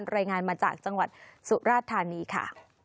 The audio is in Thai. รายงานมาจากจังหวัดสุราธานีค่ะ